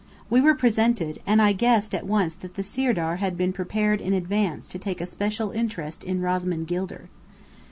We were presented: and I guessed at once that the Sirdar had been prepared in advance to take a special interest in Rosamond Gilder.